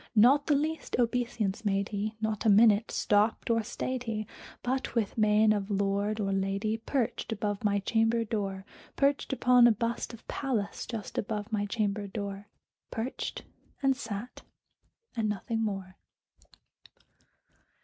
Not the least obeisance made he; not a minute stopped or stayed he; But, with mien of lord or lady, perched above my chamber door Perched upon a bust of Pallas just above my chamber door Perched, and sat, and nothing more.